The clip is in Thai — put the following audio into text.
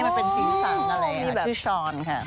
มันเป็นศีลสังค์อะไรชื่อชอนค่ะ